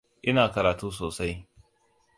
Ina karatu sosai.